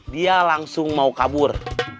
dia langsung mau kabur